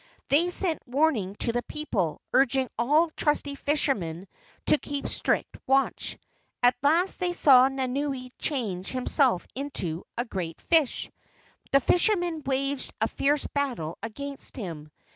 They sent warning to the people, urging all trusty fishermen to keep strict watch. At last they saw Nanaue change himself into a great fish. The fishermen waged a fierce battle against him.